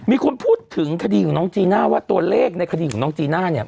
มีคนพูดถึงคดีของน้องจีน่าว่าตัวเลขในคดีของน้องจีน่าเนี่ย